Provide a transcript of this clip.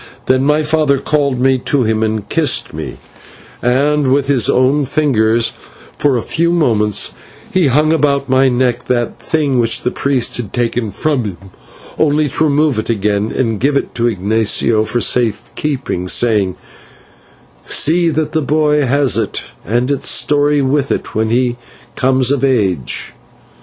Then my father called me to him and kissed me, and with his own fingers for a few moments he hung about my neck that thing which the priest had taken from him, only to remove it again and give it to Ignatio for safe keeping, saying: "See that the boy has it, and its story with it, when he comes of age."